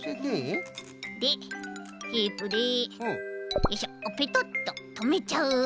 でテープでよいしょペトッととめちゃう。